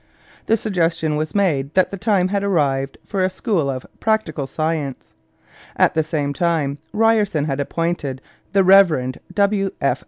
The suggestion was made that the time had arrived for a school of practical science. At the same time Ryerson had appointed the Rev. W. F.